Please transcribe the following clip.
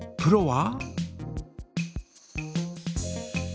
プロは？